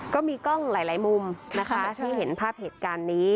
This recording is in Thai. ก็มีกล้องหลายมุมนะคะที่เห็นภาพเหตุการณ์นี้